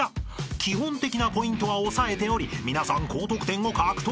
［基本的なポイントは押さえており皆さん高得点を獲得］